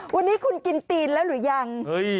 วันนี้คุณกินตีนแล้วหรือยัง